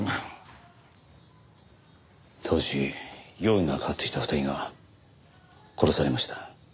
当時容疑がかかっていた２人が殺されました。